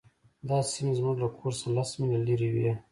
دا سیمې زموږ له کور څخه لس میله لرې وې